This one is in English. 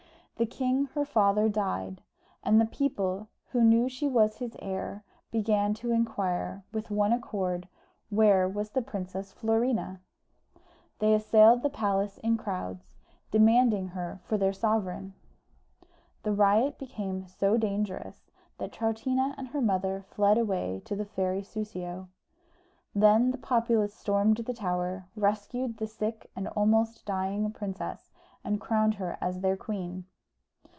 The king her father died, and the people, who knew she was his heir, began to inquire, with one accord, where was the Princess Florina? They assailed the palace in crowds, demanding her for their sovereign. The riot became so dangerous that Troutina and her mother fled away to the fairy Soussio. Then the populace stormed the tower, rescued the sick and almost dying princess, and crowned her as their queen.